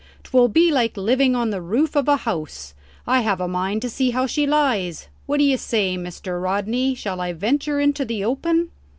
'Twill be like living on the roof of a house. I have a mind to see how she lies. What d'ye say, Mr. Rodney? shall I venture into the open?"